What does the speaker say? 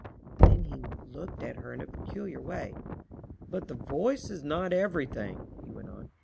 And then he looked at her in a peculiar way. "But the voice is not everything," he went on.